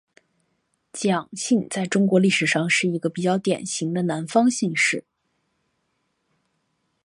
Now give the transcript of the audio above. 蒋姓在中国历史上是一个比较典型的南方姓氏。